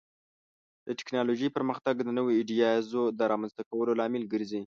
د ټکنالوژۍ پرمختګ د نوو ایډیازو د رامنځته کولو لامل ګرځي.